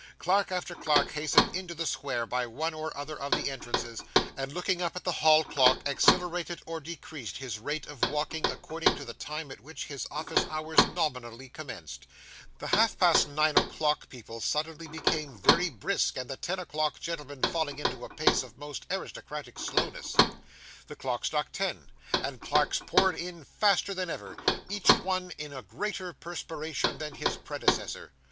Clerk after clerk hastened into the square by one or other of the entrances, and looking up at the Hall clock, accelerated or decreased his rate of walking according to the time at which his office hours nominally commenced; the half past nine o'clock people suddenly becoming very brisk, and the ten o'clock gentlemen falling into a pace of most aristocratic slowness. The clock struck ten, and clerks poured in faster than ever, each one in a greater perspiration than his predecessor.